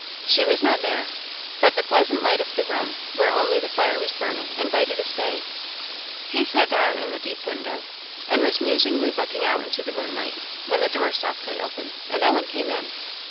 She was not there; but the pleasant light of the room, where only the fire was burning, invited a stay. He sat down in the deep window, and was musingly looking out into the moonlight, when the door softly opened, and Ellen came in.